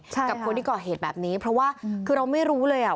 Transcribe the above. กับคนที่ก่อเหตุแบบนี้เพราะว่าคือเราไม่รู้เลยอ่ะ